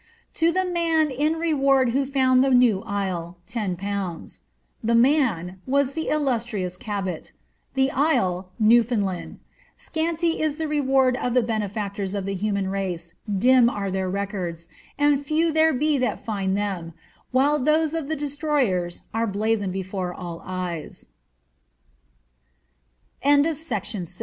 To the man in reward who found the new isle, lOZ." *' The man^^ was the illustrious Cabot, '^ the isle,^' Newfoundland. Scanty is the reward of the benefactors of the human race, dim are their records, ^ and few there be that find them ;^' while those of the destroyers are